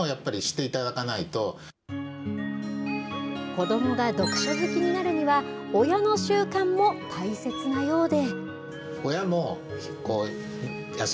子どもが読書好きになるには、親の習慣も大切なようで。